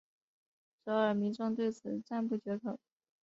首尔民众对此赞不绝口。